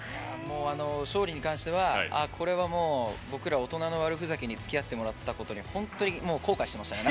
勝利に関しては、これは僕ら大人の悪ふざけにつきあってくれたことに本当に後悔してましたね。